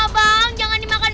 aduh abang jangan dimakan